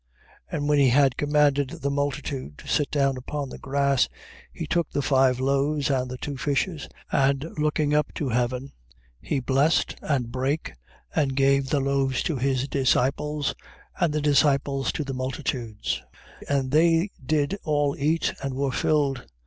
14:19. And when he had commanded the multitude to sit down upon the grass, he took the five loaves and the two fishes, and looking up to heaven, he blessed, and brake, and gave the loaves to his disciples, and the disciples to the multitudes. 14:20. And they did all eat, and were filled.